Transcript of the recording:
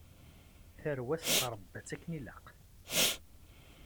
Tarwa-s trebba-tt akken ilaq.